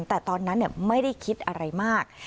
แต่ตอนนั้นไม่ได้คิดอะไรมาก